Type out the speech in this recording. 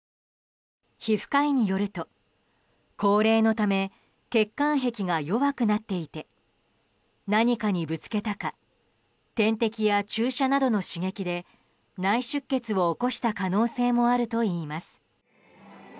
皮膚科医によると、高齢のため血管壁が弱くなっていて何かにぶつけたか点滴や注射などの刺激で内出血を起こした可能性もあるといいます。